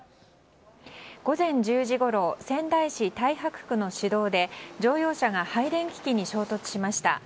午前１０時ごろ仙台市太白区の市道で乗用車が配電機器に衝突しました。